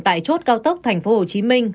tại chốt cao tốc thành phố hồ chí minh